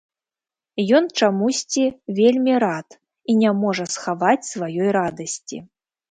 Ён чамусьці вельмі рад і не можа схаваць сваёй радасці.